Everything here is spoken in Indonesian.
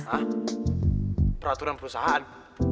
hah peraturan perusahaan